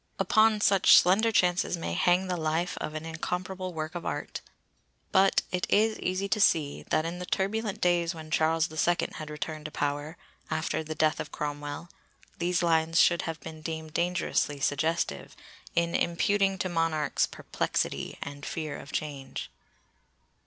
Upon such slender chances may hang the life of an incomparable work of art! But it is easy to see that in the turbulent days when Charles the Second had returned to power, after the death of Cromwell, these lines should have been deemed dangerously suggestive, in imputing to monarchs 'perplexity' and 'fear of change.